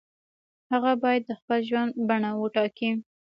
هغه باید د خپل ژوند بڼه وټاکي.